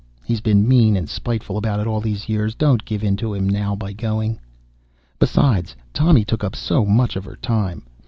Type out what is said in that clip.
He's been mean and spiteful about it all these years. Don't give in to him now by going." Besides, Tommy took up so much of her time.